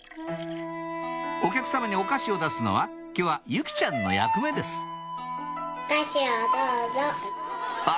お客様にお菓子を出すのは今日は由季ちゃんの役目ですあ